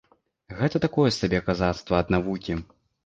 Гэта такое сабе казацтва ад навукі.